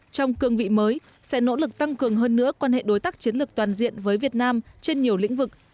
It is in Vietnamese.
trong cương vị mới sẽ nỗ lực tăng cường hơn nữa quan hệ đối tác chiến lược toàn diện với việt nam trên nhiều lĩnh vực